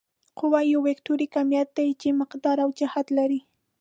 قوه یو وکتوري کمیت دی چې مقدار او جهت لري.